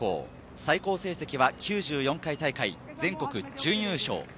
最高成績は９４回大会全国準優勝。